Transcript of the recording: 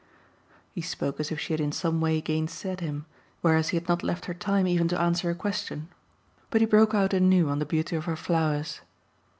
He spoke as if she had in some way gainsaid him, whereas he had not left her time even to answer a question. But he broke out anew on the beauty of her flowers.